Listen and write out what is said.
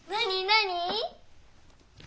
何？